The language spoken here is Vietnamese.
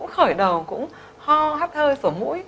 khởi đầu cũng ho hắt hơi sổ mũi